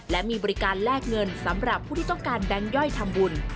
และมีบริการแลกเงินสำหรับผู้ที่ต้องการแบงค์ย่อยทำบุญ